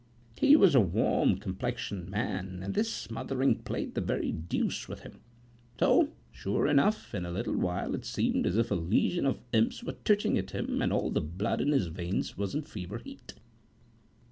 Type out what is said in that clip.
He was a warm complexioned man, and this smothering played the very deuce with him. So, sure enough, in a little while it seemed as if a legion of imps were twitching at him and all the blood in his veins was in fever heat.